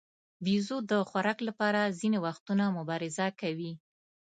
بیزو د خوراک لپاره ځینې وختونه مبارزه کوي.